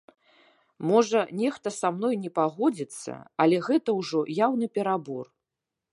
Можа, нехта са мной не пагодзіцца, але гэта ўжо яўны перабор.